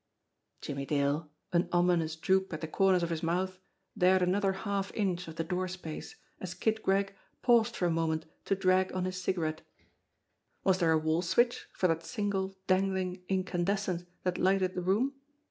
" Jimmie Dale, an ominous droop at the corners of his mouth, dared another half inch of door space, as Kid Gregg paused for a moment to drag on his cigarette. Was there a wall switch for that single, dangling incandescent that lighted the room?